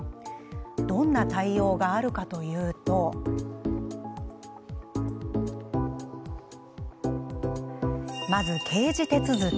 どんな対応があるかというとまず、刑事手続。